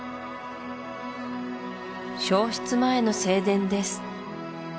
焼失前の正殿です